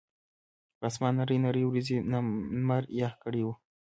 پۀ اسمان نرۍ نرۍ وريځې نمر يخ کړے وو